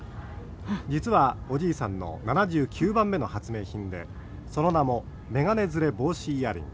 実はおじいさんの７９番目の発明品でその名もメガネずれ防止イヤリング